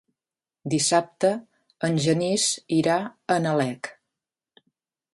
Dissabte en Genís irà a Nalec.